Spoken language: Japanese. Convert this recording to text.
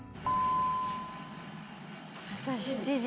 朝７時。